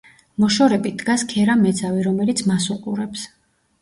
მოშორებით დგას ქერა მეძავი, რომელიც მას უყურებს.